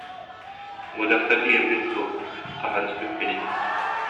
Бу дьахтар иирбит дуу, хаһан испиппиний